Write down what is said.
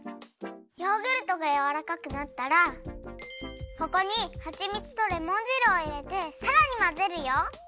ヨーグルトがやわらかくなったらここにはちみつとレモン汁をいれてさらにまぜるよ。